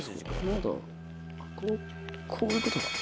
こういうことか。